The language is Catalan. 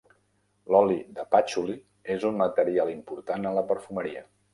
L'oli de pàtxuli és un material important en la perfumeria.